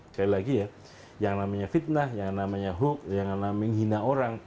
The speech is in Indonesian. sekali lagi ya yang namanya fitnah yang namanya hoax yang namanya menghina orang